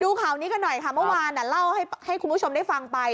ข่าวนี้กันหน่อยค่ะเมื่อวานเล่าให้คุณผู้ชมได้ฟังไป